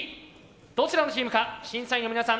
どちらのチームか審査員の皆さん